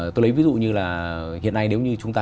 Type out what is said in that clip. tôi lấy ví dụ như là hiện nay nếu như chúng ta